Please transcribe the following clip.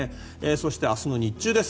そして、明日の日中です。